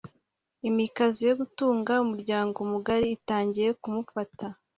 imikazo yo gutunga umuryango mugari itangiye kumufata